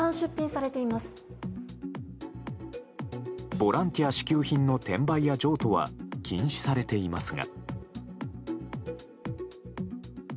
ボランティア支給品の転売や譲渡は禁止されていますが。